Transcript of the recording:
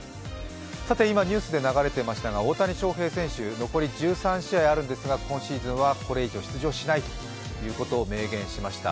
さて今ニュースで流れていましたが大谷翔平選手、残り１３試合あるんですが、今シーズンはこれ以上出場しないと明言しました。